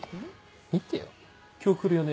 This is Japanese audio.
見てよ「今日来るよね？」